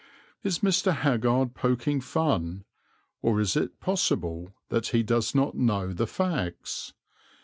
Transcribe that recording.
Is Mr. Haggard poking fun, or is it possible that he does not know the facts?